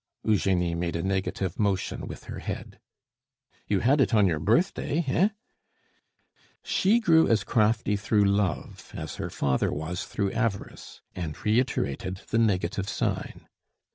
Eugenie made a negative motion with her head. "You had it on your birthday, hein?" She grew as crafty through love as her father was through avarice, and reiterated the negative sign.